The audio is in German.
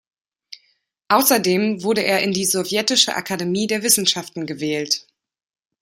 Außerdem wurde er in die sowjetische Akademie der Wissenschaften gewählt.